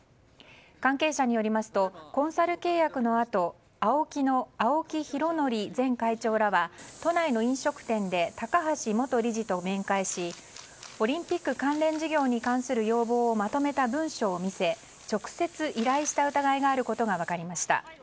関係者によりますとコンサル契約のあとＡＯＫＩの青木拡憲前会長らは都内の飲食店で高橋元理事と面会しオリンピック関連事業に関する要望をまとめた文書を見せ直接依頼した疑いがあることが分かりました。